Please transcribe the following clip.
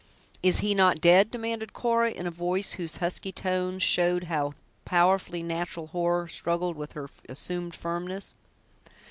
"Is he not dead?" demanded Cora, in a voice whose husky tones showed how powerfully natural horror struggled with her assumed firmness.